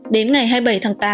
đến ngày hai mươi bảy tháng tám